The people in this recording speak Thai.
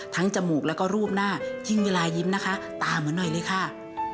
จมูกแล้วก็รูปหน้ายิ่งเวลายิ้มนะคะตามมาหน่อยเลยค่ะ